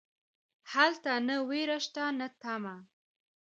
هلته نه ویره شته نه تمه.